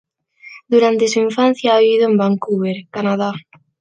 Durante su infancia ha vivido en Vancouver, Canadá.